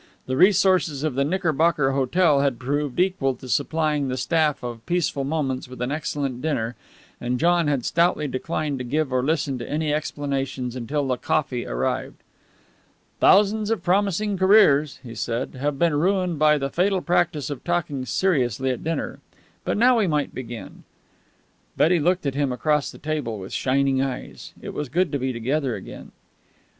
The resources of the Knickerbocker Hotel had proved equal to supplying the staff of Peaceful Moments with an excellent dinner, and John had stoutly declined to give or listen to any explanations until the coffee arrived. "Thousands of promising careers," he said, "have been ruined by the fatal practise of talking seriously at dinner. But now we might begin." Betty looked at him across the table with shining eyes. It was good to be together again.